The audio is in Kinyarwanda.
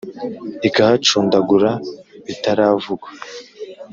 Ikahacundagura bitaravugwa,